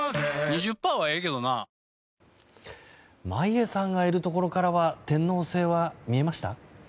眞家さんがいるところからは天王星は見えました？